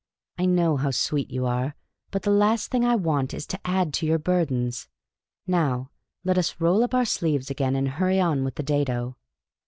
I know how sweet you are ; but the last thing I want is to add to your burdens. Now let us roll up our sleeves again and hurry on with the dado."